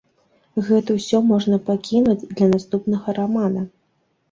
Гэта ўсё можа пакінуць для наступнага рамана.